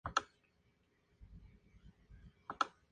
El debut había sido prometedor.